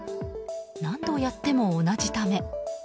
何度やっても同じため。